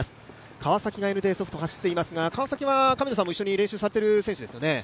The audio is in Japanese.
川崎がＮＤソフト、走っていますが川崎は神野さんも一緒に練習している選手ですよね？